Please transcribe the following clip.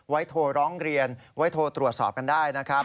๐๒๑๒๖๑๖๖๖ไว้โทร้องเรียนไว้โทรตรวจสอบกันได้นะครับ